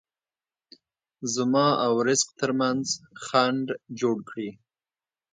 زما او رزق ترمنځ خنډ جوړ کړي.